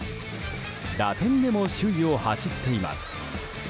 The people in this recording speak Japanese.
打点でも首位を走っています。